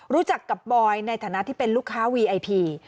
รู้จักกับบอยในฐานะที่เป็นลูกค้าวีไอพี